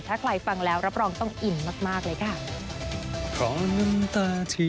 ถ้าใครฟังแล้วรับรองต้องอิ่มมากเลยค่ะ